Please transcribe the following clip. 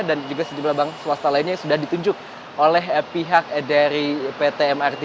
dan juga sejumlah bank swasta lainnya yang sudah ditunjuk oleh pihak dari pt mrt